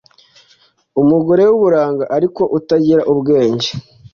umugore w'uburanga ariko utagira ubwenge